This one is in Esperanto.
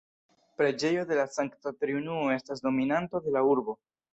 Preĝejo de la Sankta Triunuo estas dominanto de la urbo.